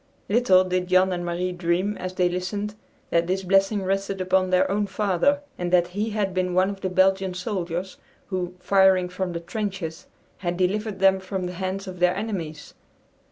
Little did Jan and Marie dream as they listened, that this blessing rested upon their own father, and that he had been one of the Belgian soldiers, who, firing from the trenches, had delivered them from the hands of their enemies.